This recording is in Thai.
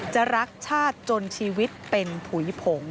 รักชาติจนชีวิตเป็นผุยผง